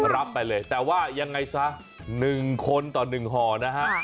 รับไปเลยแต่ว่ายังไงซะ๑คนต่อ๑ห่อนะฮะ